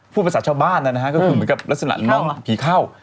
พูดภาษาชาวบ้านนะฮะก็คือเหมือนกับลักษณะน้องผีเข้า